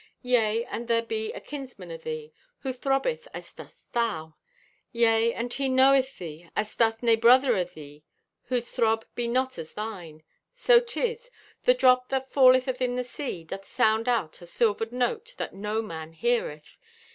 Yea, and there be a kinsman o' thee who throbbeth as dost thou. Yea, and he knoweth thee as doth nay brother o' thee whose throb be not as thine. So 'tis, the drop that falleth athin the sea, doth sound out a silvered note that no man heareth.